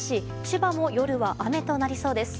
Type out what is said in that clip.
千葉も夜は雨となりそうです。